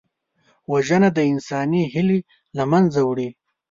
وژنه د انساني هیلې له منځه وړي